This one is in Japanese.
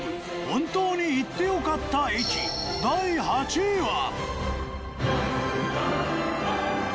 本当に行ってよかった駅第８位は。